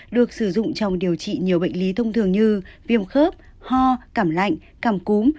được sử dụng trong điều trị nhiều bệnh lý thông thường như viêm khớp ho cảm lạnh cảm cúm